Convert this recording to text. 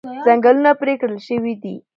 ځنګلونه پرې کړل شوي دي.